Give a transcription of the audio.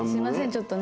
ちょっとね